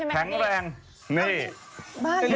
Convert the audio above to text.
แข็งแรงใช่มั้ย